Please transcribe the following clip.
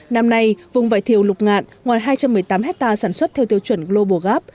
năm nay vùng vải thiều lục ngạn ngoài hai trăm một mươi tám hectare sản xuất theo tiêu chuẩn global gap